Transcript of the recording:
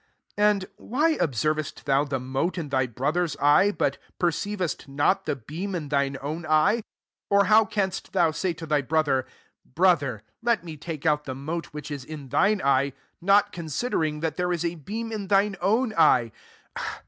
41 •• And why observest thou emote in thy brother's eye. It perceivest not the beam in inc own eye ? 42 Or how inst thou say to thy brother ; Brother, let me take out the mote which is in thine eye;' not considering, that there is a beam in thine own eye